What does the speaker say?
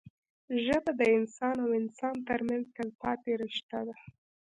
ژبه د انسان او انسان ترمنځ تلپاتې رشته ده